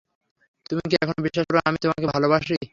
তুমি কি এখনো বিশ্বাস করো আমি তোমাকে ভালোবাসি?